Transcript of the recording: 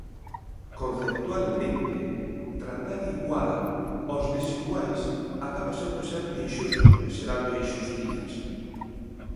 Conceptualmente tratar igual os desiguais acaba sendo sempre inxusto e xerando inxustizas.